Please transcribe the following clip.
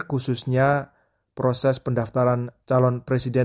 khususnya proses pendaftaran calon presiden